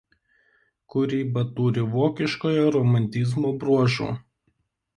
Kūryba turi vokiškojo romantizmo bruožų.